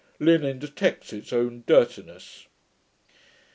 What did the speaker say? Linen detects its own dirtiness.'